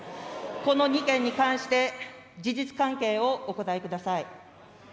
この２件に関して、事実関係をお答えください。